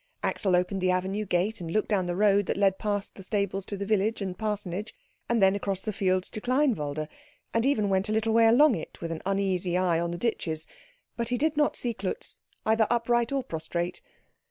Axel opened the avenue gate and looked down the road that led past the stables to the village and parsonage, and then across the fields to Kleinwalde; he even went a little way along it, with an uneasy eye on the ditches, but he did not see Klutz, either upright or prostrate.